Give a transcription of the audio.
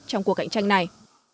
trong cuộc cạnh tranh này